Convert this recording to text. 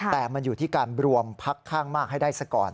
แต่มันอยู่ที่การรวมพักข้างมากให้ได้ซะก่อน